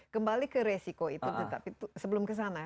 kembali ke resiko itu tetapi sebelum kesana